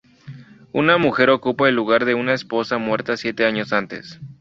Una mujer ocupa el lugar de una esposa muerta siete años antes.